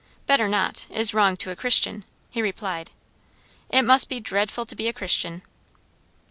"'Better not' is wrong to a Christian," he replied. "It must be dreadful to be a Christian!"